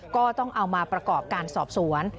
ก็ต้องเอามาประกอบการสอบสวน